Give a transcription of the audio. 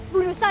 bunuh saja aku